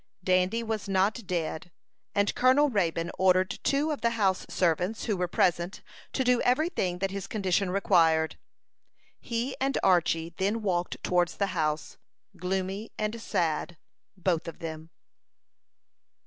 Dandy was not dead, and Colonel Raybone ordered two of the house servants, who were present, to do every thing that his condition required. He and Archy then walked towards the house, gloomy and sad, both of them.